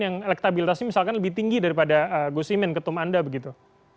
yang elektabilitasnya misalkan lebih tinggi daripada gus imin ketum anda begitu